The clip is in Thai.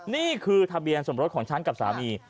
นี่คือทะเบียนสมรสของฉันกับสามี